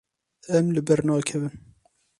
Em li ber nakevin.